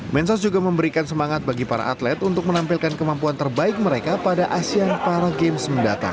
mensos juga memberikan semangat bagi para atlet untuk menampilkan kemampuan terbaik mereka pada asean para games mendatang